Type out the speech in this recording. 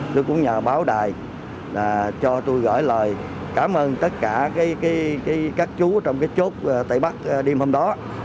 tôi cũng nhờ báo đài cho tôi gửi lời cảm ơn tất cả các chú trong cái chốt tây bắc đêm hôm đó